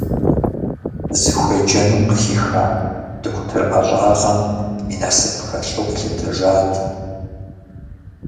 Зыхуеджэну къыхиха дохутыр ӏэщӏагъэм и насып хэлъу къилъытэжат.